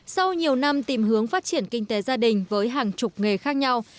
sau nhiều năm tìm hướng phát triển kinh tế gia đình với hàng chục nghề khác nhau